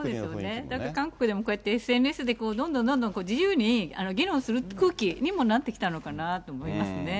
なんか韓国でも、こうやってＳＮＳでどんどんどんどん自由に議論する空気にもなってきたのかなと思いますね。